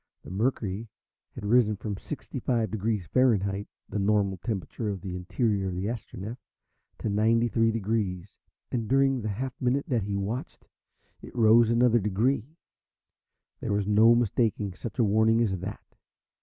The mercury had risen from 65 degrees Fahrenheit, the normal temperature of the interior of the Astronef, to 93 degrees, and during the half minute that he watched it rose another degree. There was no mistaking such a warning as that.